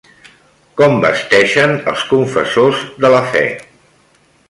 Com vesteixen els confessors de la fe?